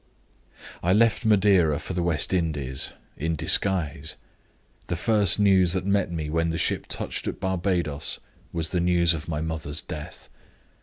"I left Madeira for the West Indies in disguise. The first news that met me when the ship touched at Barbadoes was the news of my mother's death.